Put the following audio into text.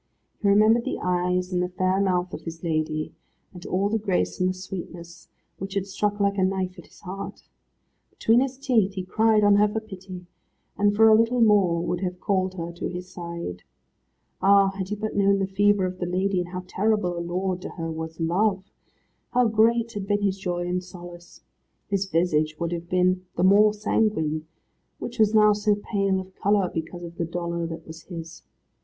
He remembered the eyes and the fair mouth of his lady, and all the grace and the sweetness, which had struck like a knife at his heart. Between his teeth he cried on her for pity, and for a little more would have called her to his side. Ah, had he but known the fever of the lady, and how terrible a lord to her was Love, how great had been his joy and solace. His visage would have been the more sanguine, which was now so pale of colour, because of the dolour that was his.